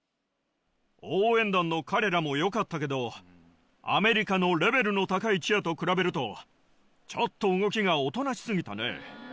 応援団の彼らも良かったけどアメリカのレベルの高いチアと比べるとちょっと動きがおとなし過ぎたね。